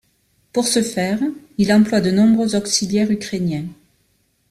Pour ce faire, il emploie de nombreux auxiliaires ukrainiens.